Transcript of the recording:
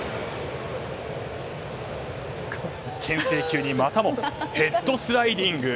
牽制球にまたもヘッドスライディング。